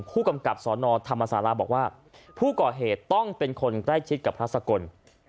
ผู้กำกับสนธรรมศาลาบอกว่าผู้ก่อเหตุต้องเป็นคนใกล้ชิดกับพระสกล